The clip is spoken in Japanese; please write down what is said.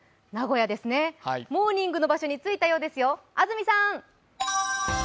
名古屋ですね、モーニングの場所に着いたようですよ。